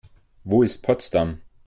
Wo ist Potsdam?